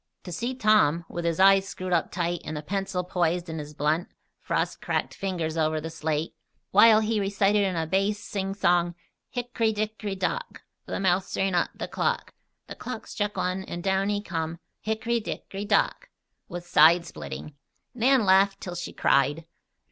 To see Tom, with his eyes screwed up tight and the pencil poised in his blunt, frost cracked fingers over the slate, while he recited in a base sing song: "Hick'ry, dick'ry, dock The mouse ran up the clock, The clock struck one, An' down he come Hick'ry, dick'ry, dock," was side splitting. Nan laughed till she cried.